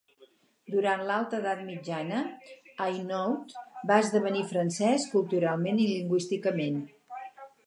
Durant l'Alta Edat Mitjana, Hainaut va esdevenir francès culturalment i lingüísticament.